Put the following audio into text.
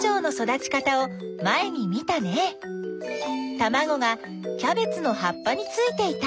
たまごがキャベツのはっぱについていた。